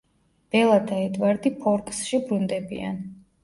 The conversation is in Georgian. ბელა და ედვარდი ფორკსში ბრუნდებიან.